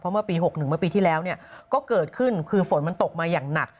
เมื่อปี๖๑เมื่อปีที่แล้วก็เกิดขึ้นคือฝนมันตกมาอย่างหนัก